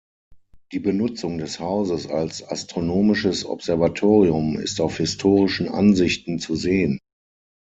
Die Benutzung des Hauses als astronomisches Observatorium ist auf historischen Ansichten zu sehen.